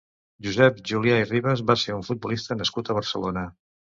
Josep Julià i Ribas va ser un futbolista nascut a Barcelona.